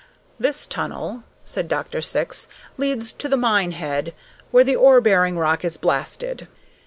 "This tunnel," said Dr. Syx, "leads to the mine head, where the ore bearing rock is blasted."